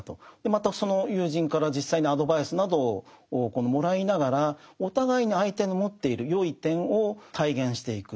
またその友人から実際にアドバイスなどをもらいながらお互いに相手の持っている善い点を体現していく。